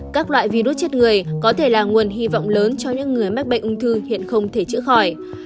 các loại virus chết người có thể là nguồn hy vọng lớn cho những người mắc bệnh ung thư hiện không thể chữa khỏi